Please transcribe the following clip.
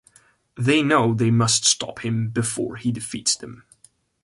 They know they must stop him before he defeats them.